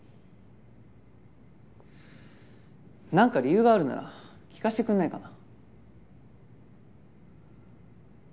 なんか理由があるなら聞かせてくれないかな？